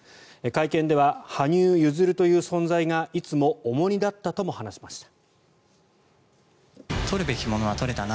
会見では羽生結弦という存在がいつも重荷だったとも話しました。